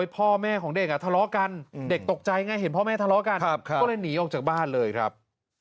พ่อแม่ของเด็กทะเลาะกันเด็กตกใจไงเห็นพ่อแม่ทะเลาะกันก็เลยหนีออกจากบ้านเลยครับ